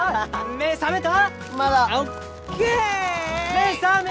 目覚めた。